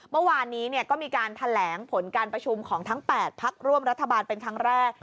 เมื่อวานนี้ก็มีการแถลงผลการประชุมของทั้ง๘พักร่วมรัฐบาลเป็นครั้งแรก